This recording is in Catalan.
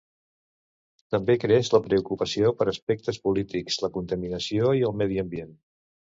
També creix la preocupació per aspectes polítics, la contaminació i el medi ambient.